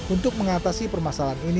untuk mengatasi permasalahan ini